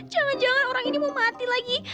jangan jangan orang ini mau mati lagi